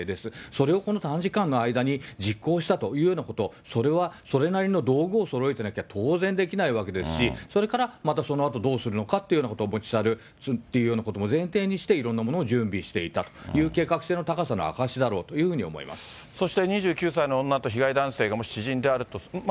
それをこの短時間の間に実行したというようなこと、それは、それなりの道具をそろえてなきゃ、当然できないわけですし、それから、またそのあとどうするのかということも、持ち去るっていうようなことも前提にして、いろんなものを準備していたという計画性の高さの証しだろうといそして２９歳の女と被害男性がもし。